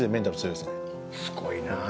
すごいなあ。